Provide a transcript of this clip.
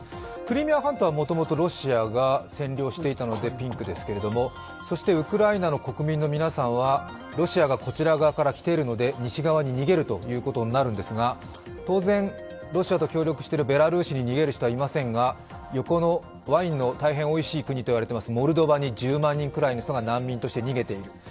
クリミア半島はもともとロシアが占領していたのでピンクですけれどもウクライナの国民の皆さんはロシアがこちら側から来ているので西側に逃げるということになるんですが、当然、ロシアと協力しているベラルーシに逃げる人はいませんが、横の、ワインの大変おいしい国と言われていますモルドバが１０万人くらいが難民として逃げている。